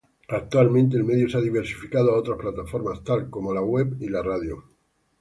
Actualmente el medio se ha diversificado a otras plataformas, tal como web y radio.